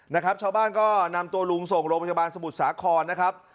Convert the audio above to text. นะครับชาวบ้านก็นำตัวลุงส่งโรงพยาบาลสมุทรสาครนะครับ